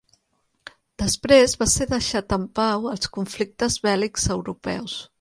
Després va ser deixat en pau als conflictes bèl·lics europeus.